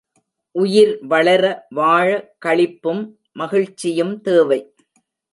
உயிர் வளர, வாழ களிப்பும் மகிழ்ச்சியும் தேவை.